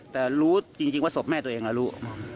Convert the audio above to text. แล้วรู้จริงว่าศพแม่ตัวเองแล้วจะรู้